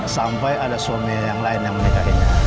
sampai ada suami yang lain yang menikahinya